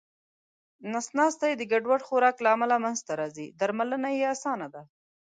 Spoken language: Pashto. نس ناستی د ګډوډ خوراک له امله منځته راځې درملنه یې اسانه ده